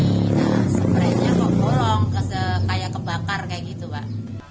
nah sprennya kok golong kayak kebakar kayak gitu pak